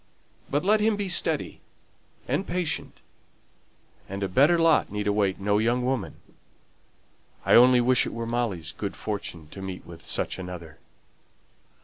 But let them be steady and patient, and a better lot need await no young woman. I only wish it were Molly's good fortune to meet with such another."